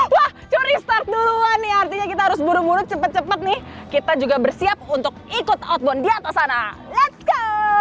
wah curi start duluan nih artinya kita harus buru buru cepet cepet nih kita juga bersiap untuk ikut outbound di atas sana ⁇ lets ⁇ go